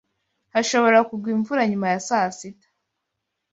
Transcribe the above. Hashobora kugwa imvura nyuma ya saa sita.